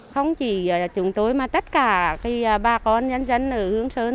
không chỉ chúng tôi mà tất cả bà con nhân dân ở hương sơn